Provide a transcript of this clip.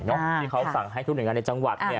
ที่เขาสั่งให้ทุกหน่วยงานในจังหวัด